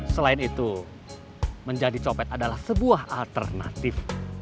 selain itu menjadi copet adalah sebuah alternatif